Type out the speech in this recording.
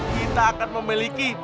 kita akan memiliki